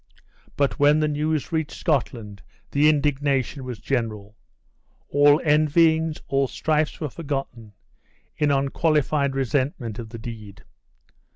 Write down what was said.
But when the news reached Scotland, the indignation was general. All envyings, all strifes were forgotten, in unqualified resentment of the deed.